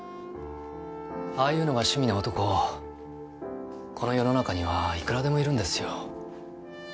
ああいうのが趣味な男この世の中にはいくらでもいるんですよ。